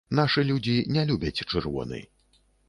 Нашы людзі не любяць чырвоны.